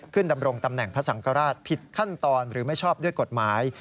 ดำรงตำแหน่งพระสังฆราชผิดขั้นตอนหรือไม่ชอบด้วยกฎหมาย